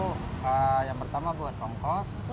empat ribu yang pertama buat kongkos